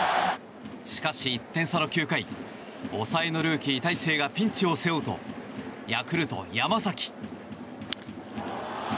しかし、１点差の９回抑えのルーキー、大勢がピンチを背負うとヤクルト、山崎。